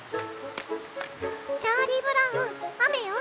「チャーリー・ブラウン雨よ！